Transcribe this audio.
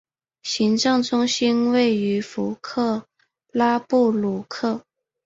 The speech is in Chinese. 行政中心位于弗克拉布鲁克。